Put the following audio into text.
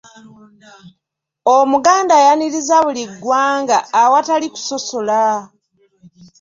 Omuganda ayaniriza buli ggwanga awatali kusosola.